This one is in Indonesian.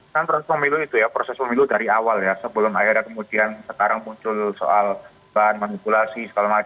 kan proses pemilu itu ya proses pemilu dari awal ya sebelum akhirnya kemudian sekarang muncul soal bahan manipulasi segala macam